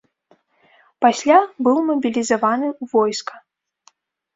Пасля быў мабілізаваны ў войска.